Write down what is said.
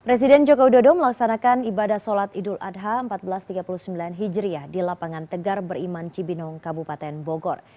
presiden joko widodo melaksanakan ibadah sholat idul adha seribu empat ratus tiga puluh sembilan hijriah di lapangan tegar beriman cibinong kabupaten bogor